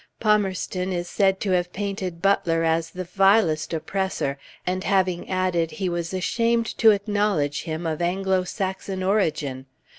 Palmerston is said to have painted Butler as the vilest oppressor, and having added he was ashamed to acknowledge him of Anglo Saxon origin.